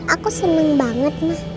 aku seneng banget ma